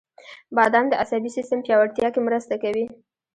• بادام د عصبي سیستم پیاوړتیا کې مرسته کوي.